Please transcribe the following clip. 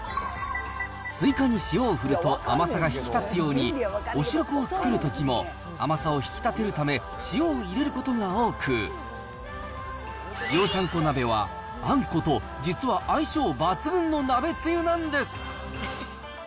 スイカに塩を振ると甘さが引き立つように、おしるこを作るときも甘さを引き立てるため、塩を入れることが多く、塩ちゃんこ鍋はあんこと実は相性抜群の鍋つゆなんです。